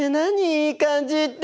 「いい感じ」って！